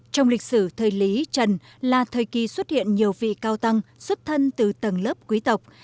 trong lịch sử thời lý trần là thời kỳ xuất hiện nhiều vị cao tăng xuất thân từ tầng lớp quý tộc